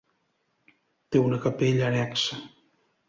Té una capella annexa.